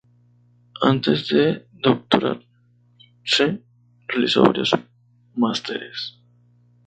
Antes de doctorarse realizó varios másteres.